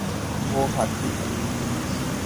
وہ ہاتھی ہے